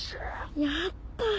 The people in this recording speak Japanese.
やった。